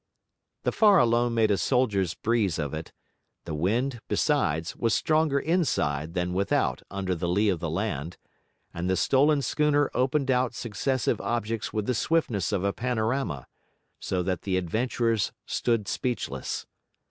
The Farallone made a soldier's breeze of it; the wind, besides, was stronger inside than without under the lee of the land; and the stolen schooner opened out successive objects with the swiftness of a panorama, so that the adventurers stood speechless.